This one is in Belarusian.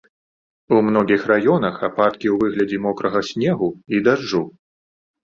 У многіх раёнах ападкі ў выглядзе мокрага снегу і дажджу.